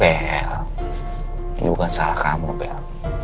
bel ini bukan salah kamu bel